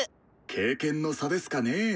経験の差ですかね。